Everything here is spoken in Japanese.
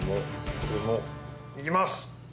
これもいきます！